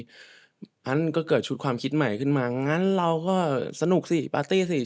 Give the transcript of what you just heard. เพราะฉะนั้นก็เกิดชุดความคิดใหม่ขึ้นมางั้นเราก็สนุกสิปาร์ตี้สิ